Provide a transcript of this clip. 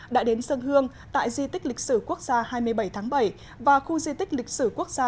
đã đến sân hương tại di tích lịch sử quốc gia hai mươi bảy tháng bảy và khu di tích lịch sử quốc gia